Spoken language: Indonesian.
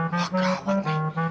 wah gawat nih